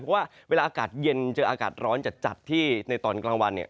เพราะว่าเวลาอากาศเย็นเจออากาศร้อนจัดที่ในตอนกลางวันเนี่ย